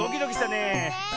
ねえ。